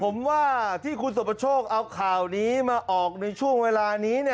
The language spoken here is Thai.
ผมว่าที่คุณสุประโชคเอาข่าวนี้มาออกในช่วงเวลานี้